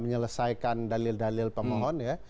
menyelesaikan dalil dalil pemohon ya